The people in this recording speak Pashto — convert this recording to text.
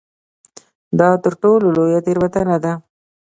دا تر ټولو لویه تېروتنه ده.